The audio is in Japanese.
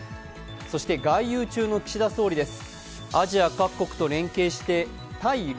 そして外遊中の岸田総理です。